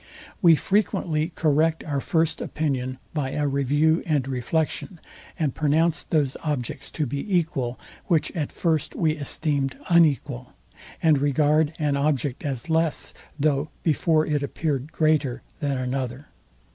We frequently correct our first opinion by a review and reflection; and pronounce those objects to be equal, which at first we esteemed unequal; and regard an object as less, though before it appeared greater than another.